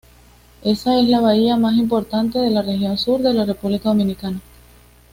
Esa es la bahía más importante de la región sur de la República Dominicana